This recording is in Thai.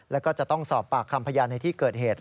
แล้วก็จะต้องสอบปากคำพยานในที่เกิดเหตุ